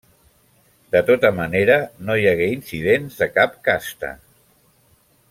De tota manera, no hi hagué incidents de cap casta.